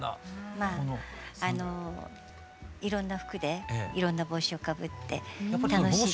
まああのいろんな服でいろんな帽子をかぶって楽しいですね。